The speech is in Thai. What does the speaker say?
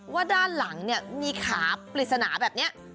ด้านหลังเนี่ยมีขาปริศนาแบบนี้